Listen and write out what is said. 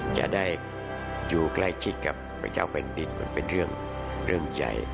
จะได้อยู่ใกล้ชิดกับพระเจ้าแผ่นดินมันเป็นเรื่องใหญ่